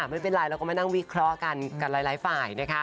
ไม่เป็นไรเราก็มานั่งวิเคราะห์กันกับหลายฝ่ายนะคะ